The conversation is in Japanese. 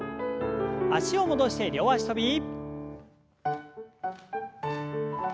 脚を戻して両脚跳び。